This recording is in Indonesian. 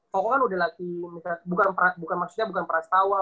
kokoh kan udah laki bukan maksudnya bukan peras tawa